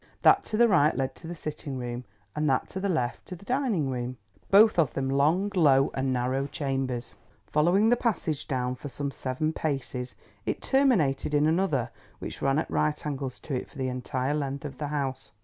That to the right led to the sitting room, that to the left to the dining room, both of them long, low and narrow chambers. Following the passage down for some seven paces, it terminated in another which ran at right angles to it for the entire length of the house.